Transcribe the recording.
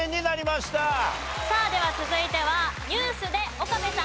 さあでは続いてはニュースで岡部さん